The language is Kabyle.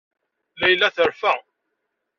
Layla terfa.